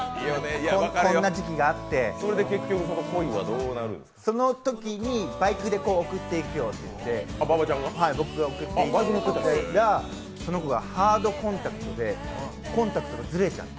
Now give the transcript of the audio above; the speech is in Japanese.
そんな時期があって、そのときにバイクで送っていくよといって、バイクで送っていったらその子がハードコンタクトでコンタクトがずれちゃって。